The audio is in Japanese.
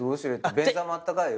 便座もあったかいよ。